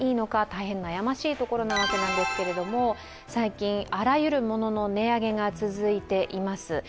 大変悩ましいところなわけなんですけれども、最近、あらゆるものの値上げが続いています。